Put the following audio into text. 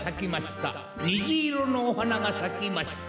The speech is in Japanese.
にじいろのおはながさきました。